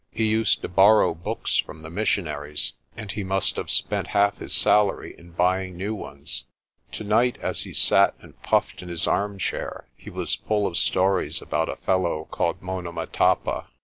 He used to borrow books from the missionaries, and he must have spent half his salary in buying new ones. Tonight as he sat and puffed in his armchair, he was full of stories about a fellow called Monomotapa.